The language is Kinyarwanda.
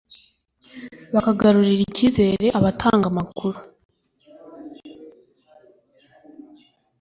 bakagarurira ikizere abatanga amakuru